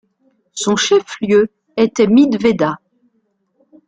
Son chef lieu était Mittweida.